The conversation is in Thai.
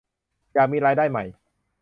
อยากมีรายได้ใหม่